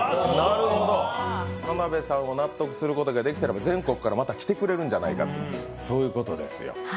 なるほど、田辺さんが納得することができたら全国からまた来てくれるんじゃないかと、そういうことですよ。